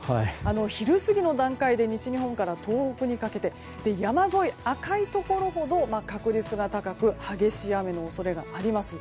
昼過ぎの段階で西日本から東北にかけて山沿い、赤いところほど確率が高く激しい雨の恐れがあります。